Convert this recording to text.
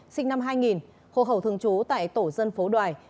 sinh năm hai nghìn hộ khẩu thường trú tại tổ dân phố đoài